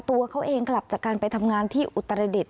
ตัวเขาเองกลับจากการไปทำงานที่อุตรดิษฐ